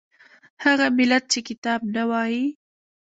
هغه ملت چې کتاب نه وايي